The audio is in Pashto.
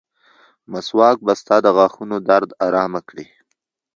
مسواک به ستا د غاښونو درد ارامه کړي.